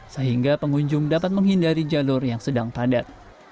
sehingga pengunjung dapat menghindari jalur yang sedang padat